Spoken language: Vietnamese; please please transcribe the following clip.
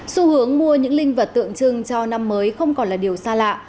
xu hướng mua những linh vật tượng trưng cho năm mới không còn là điều xa lạ